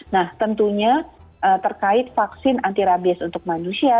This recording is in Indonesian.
nah tentunya terkait vaksin antirabies untuk manusia